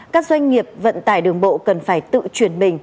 các doanh nghiệp vận tải đường bộ cần phải tự chuyển mình